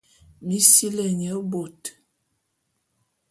Mi sili nye bôt.